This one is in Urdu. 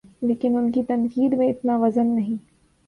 لیکن ان کی تنقید میں اتنا وزن نہیں۔